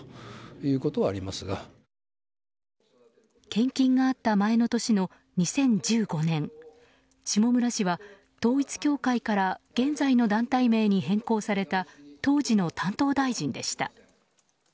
献金があった前の年の２０１５年下村氏は統一教会から現在の団体名に変更された当時の担当大臣でした。